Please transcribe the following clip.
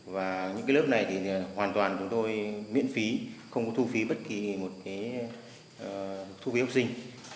và những lớp này thì hoàn toàn chúng tôi miễn phí không có thu phí bất kỳ một cái thu phí học sinh